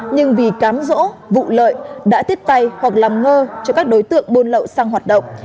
nhưng vì cám dỗ vụ lợi đã tiếp tay hoặc làm ngơ cho các đối tượng buôn lộ xăng hoạt động